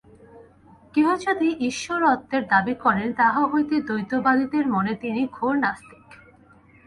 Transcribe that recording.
কেহ যদি ঈশ্বরত্বের দাবী করেন, তাহা হইলে দ্বৈতবাদীদের মতে তিনি ঘোর নাস্তিক।